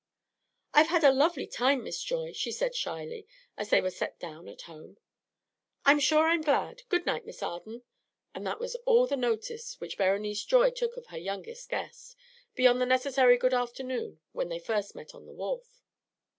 "I've had a lovely time, Miss Joy," she said shyly, as they were set down at home. "I'm sure I'm glad. Good night, Miss Arden." And that was all the notice which Berenice Joy took of her youngest guest, beyond the necessary good afternoon when they first met on the wharf.